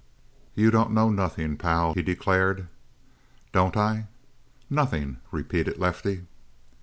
"You don't know nothing, pal," he declared. "Don't I?" "Nothing," repeated Lefty.